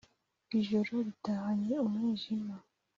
ijoro ritahanye umwijima